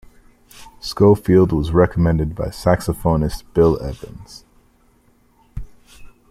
Scofield was recommended by saxophonist Bill Evans.